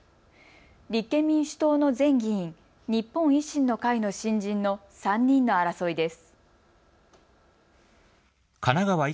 立憲民主党の前議員、日本維新の会の新人の３人の争いです。